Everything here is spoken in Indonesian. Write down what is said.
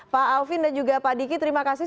pak alvin dan juga pak diki terima kasih